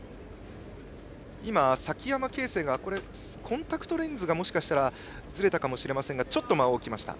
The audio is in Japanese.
崎山慶成がコンタクトレンズがもしかしたらずれたかもしれませんがちょっと間を置きました。